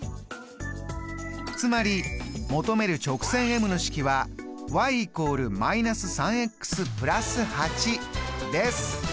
つまり求める直線ｍの式はｙ＝−３＋８です。